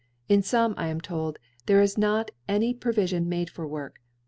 In fome, I am told, there is not any Provifion made for Work.